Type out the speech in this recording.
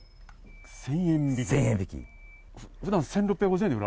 １０００円引き。